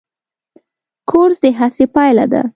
کورس د هڅې پایله ده.